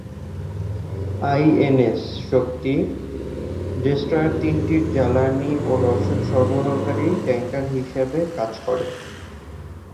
INS "Shakti" destroyer তিনটির জ্বালানি ও রসদ সরবরাহকারী ট্যাঙ্কার হিসাবে কাজ করে।